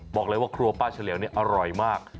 บอกเลยว่าครัวป้าเฉลี่ยวนี่อร่อยมาก